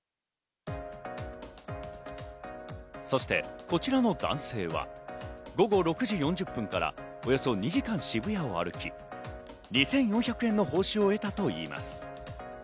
そしてこちらの男性は午後６時４０分からおよそ２時間、渋谷を歩き２４００円の報酬を得たといいます。